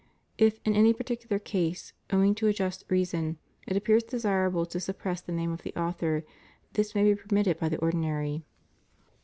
If in any particular case, owing to a just reason, it appears desirable to suppress the name of the author, this may be permitted by the ordinary.